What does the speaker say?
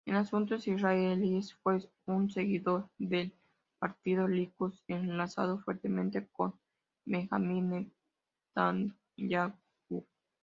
En asuntos israelíes, fue un seguidor del partido Likud, enlazado fuertemente con Benjamin Netanyahu.